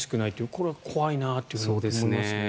これは怖いなと思いますね。